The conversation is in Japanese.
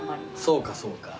そうかそうか。